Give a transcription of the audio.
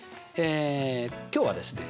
今日はですね